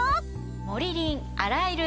モリリン洗える